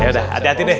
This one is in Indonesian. yaudah hati hati deh